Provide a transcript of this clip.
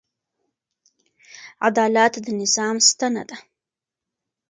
عدالت د نظام ستنه ده.